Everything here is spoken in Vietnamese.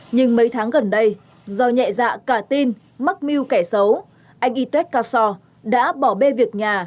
nhưng mấy tháng gần đây do nhẹ dạ cả tin mắc mưu kẻ xấu anh yused caso đã bỏ bê việc nhà